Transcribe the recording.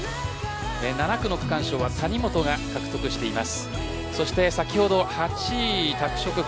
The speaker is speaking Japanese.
７区の区間賞は谷本が獲得しています。